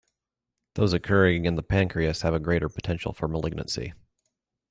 Those occurring in the pancreas have a greater potential for malignancy.